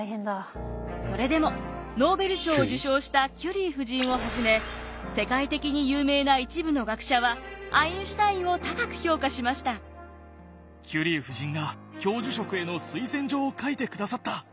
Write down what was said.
それでもノーベル賞を受賞したキュリー夫人をはじめ世界的に有名な一部の学者はキュリー夫人が教授職への推薦状を書いてくださった！